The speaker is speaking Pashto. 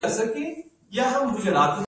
د ګیزاب ولسوالۍ لیرې ده